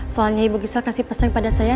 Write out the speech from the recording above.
soalnya ibu gisel kasih pesan kepada saya